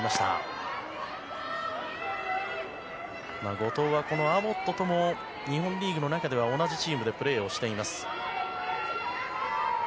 後藤はアボットとも日本リーグの中では同じチームでプレーしています。